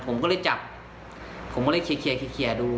ผมก็เลยจับผมก็เลยเคลียร์ดู